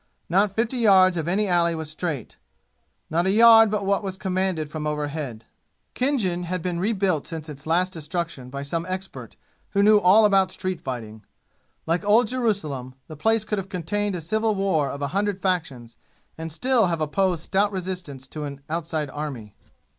Not fifty yards of any alley was straight; not a yard but what was commanded from overhead. Khinjan had been rebuilt since its last destruction by some expert who knew all about street fighting. Like Old Jerusalem, the place could have contained a civil war of a hundred factions, and still have opposed stout resistance to an outside army.